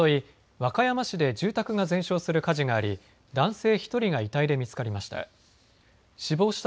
和歌山市で住宅が全焼する火事があり、男性１人が遺体で見つかりました。